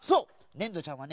ねんどちゃんはね